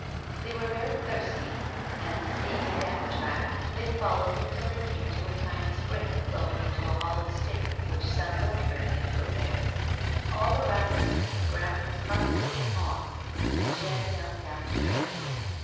They were very thirsty, and, seeing a damp track, they followed it till they came to a tiny spring flowing into a hollow stick which some goat herd had put there ; all around the spring the ground was carpeted with moss, and Jeanne knelt down to drink.